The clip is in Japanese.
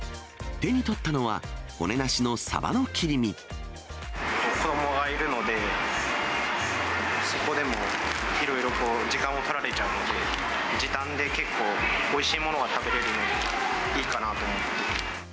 手に取ったのは、子どもがいるので、そこでもいろいろこう、時間を取られちゃうので、時短で結構おいしいものが食べれるので、いいかなと思って。